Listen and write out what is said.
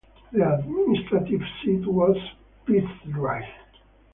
The administrative seat was Pyzdry.